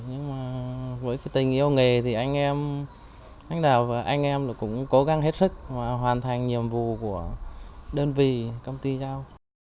nhưng mà với tình yêu nghề thì anh em anh đào và anh em cũng cố gắng hết sức hoàn thành nhiệm vụ của đơn vị công ty giao